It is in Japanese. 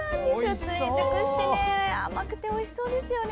追熟して甘くておいしそうですよね。